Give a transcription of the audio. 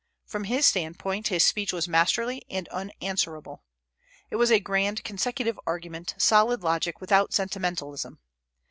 From his standpoint, his speech was masterly and unanswerable. It was a grand consecutive argument, solid logic without sentimentalism.